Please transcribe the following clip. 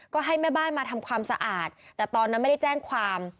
ก็ให้แม่บ้านมาทำความสะอาดแต่ตอนนั้นไม่ได้แจ้งความ